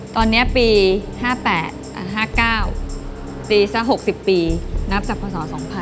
ตอนนี้ปี๕๘๕๙ปีสัก๖๐ปีนับจากพศ๒๕๖๒